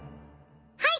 はい。